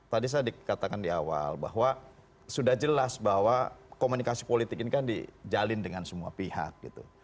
tadi saya dikatakan di awal bahwa sudah jelas bahwa komunikasi politik ini kan dijalin dengan semua pihak gitu